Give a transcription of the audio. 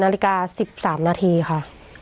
นาฬิกา๑๓นาทีค่ะ